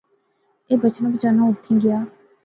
اہ بچنا بچانا اوتھیں گیا